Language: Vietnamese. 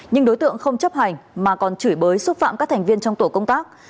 nhưng đối tượng không chấp hành mà còn chửi bới xúc phạm các thành viên trong tổ công tác